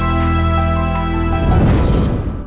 โปรดติดตามตอนต่อไป